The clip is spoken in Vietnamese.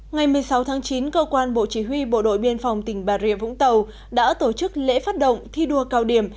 ngày một mươi sáu tháng chín cơ quan bộ chỉ huy bộ đội biên phòng tỉnh bà rịa vũng tàu đã tổ chức lễ phát động thi đua cao điểm